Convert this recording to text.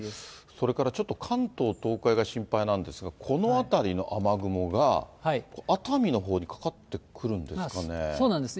それからちょっと関東、東海が心配なんですが、この辺りの雨雲が、熱海のほうにかかってくるんですかね。